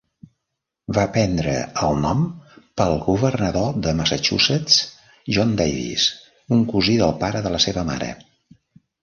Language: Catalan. Va prendre el nom pel governador de Massachusetts, John Davis, un cosí del pare de la seva mare.